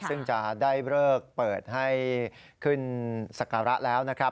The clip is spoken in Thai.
ซึ่งจะได้เลิกเปิดให้ขึ้นสักการะแล้วนะครับ